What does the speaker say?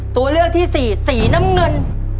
ตัวเลือกที่สี่สีน้ำเงิน